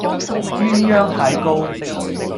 鴛鴦膏蟹